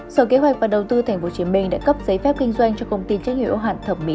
sở kế hoạch và đầu tư tp hcm đã cấp giấy phép kinh doanh cho công ty trách nhiệm ưu hạn thẩm mỹ